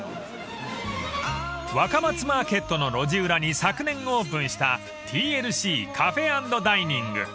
［若松マーケットの路地裏に昨年オープンしたＴＬＣＣａｆｅ＆Ｄｉｎｉｎｇ］